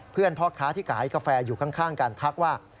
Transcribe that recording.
พ่อค้าที่ขายกาแฟอยู่ข้างกันทักว่า